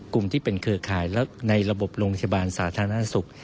กลุ่มที่เป็นเครือข่ายแล้วในระบบโรงพยาบาลสาธารณสุข